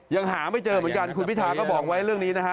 ยังหาไม่เจอเหมือนกันคุณพิทาก็บอกไว้เรื่องนี้นะฮะ